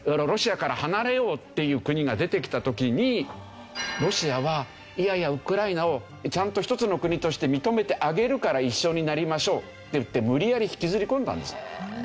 ロシアから離れようという国が出てきた時にロシアはいやいやウクライナをちゃんと１つの国として認めてあげるから一緒になりましょうっていって無理やり引きずり込んだんです。